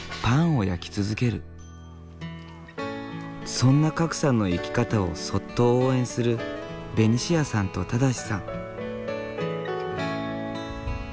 そんな賀来さんの生き方をそっと応援するベニシアさんと正さん。